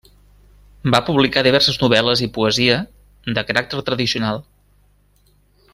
Va publicar diverses novel·les i poesia, de caràcter tradicional.